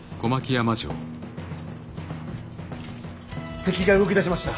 敵が動き出しました。